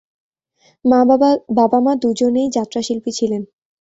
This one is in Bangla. বাবা মা দুজনেই যাত্রা শিল্পী ছিলেন।